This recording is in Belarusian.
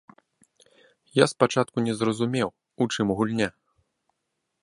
Я спачатку не зразумеў, у чым гульня.